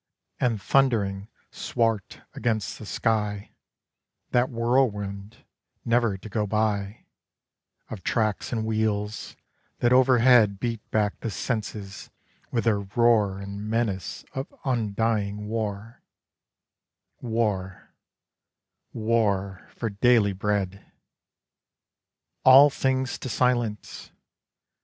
And thundering, swart against the sky, That whirlwind, never to go by Of tracks and wheels, that overhead Beat back the senses with their roar And menace of undying war, War war for daily bread!_ _All things to silence!